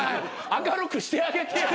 明るくしてあげてよ。